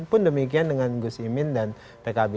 pun demikian dengan gus imin dan pkb